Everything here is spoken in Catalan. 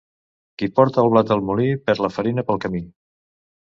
Qui porta el blat al molí perd la farina pel camí.